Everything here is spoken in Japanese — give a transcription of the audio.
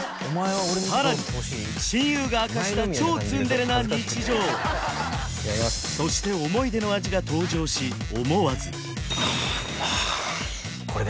さらに親友が明かした超ツンデレな日常そして思い出の味が登場し思わずあう